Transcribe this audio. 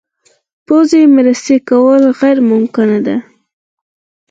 پوځي مرستې کول غیر ممکنه ده.